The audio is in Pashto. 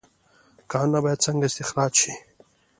کانونه باید څنګه استخراج شي؟